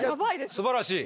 すばらしい。